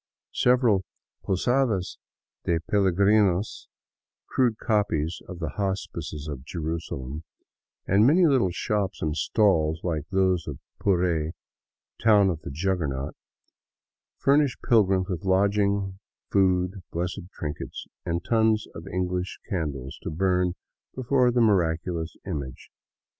Several " posadas de peligrinos," crude copies of the hospices of Jerusalem, and many little shops and stalls like those of Puree, town of the Juggernaut, furnish pilgrims with lodgings, food, blessed trinkets, and tons of English candles to burn before the mirac ulous image.